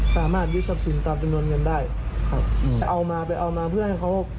สามารถยึดทรัพย์สินตามจำนวนเงินได้ครับอืมแต่เอามาไปเอามาเพื่อให้เขา